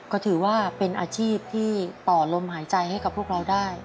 ก็ถือว่าเป็นอาชีพที่ต่อลมหายใจให้กับพวกเราได้